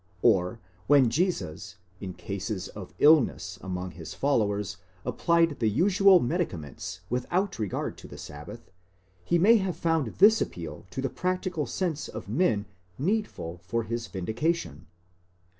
Or, when Jesus in cases of illness among his followers applied the usual medicaments without regard to the sabbath, he may have found this. appeal to the practical sense of men needful for his vindication.